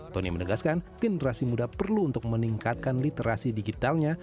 tony menegaskan generasi muda perlu untuk meningkatkan literasi digitalnya